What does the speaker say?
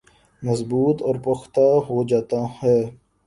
مضبوط اور پختہ ہوجاتا ہے